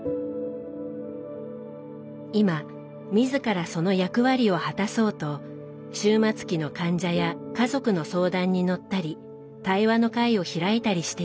今自らその役割を果たそうと終末期の患者や家族の相談に乗ったり対話の会を開いたりしています。